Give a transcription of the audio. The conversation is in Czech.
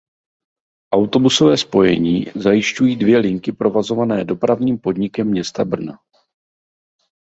Autobusové spojení zajišťují dvě linky provozované Dopravním podnikem města Brna.